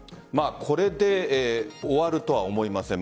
これで終わると思いません。